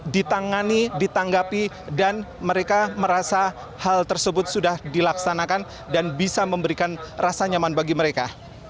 ditangani ditanggapi dan mereka merasa hal tersebut sudah dilaksanakan dan bisa memberikan rasa nyaman bagi mereka